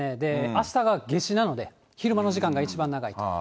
あしたが夏至なので、昼間の時間が一番長いと。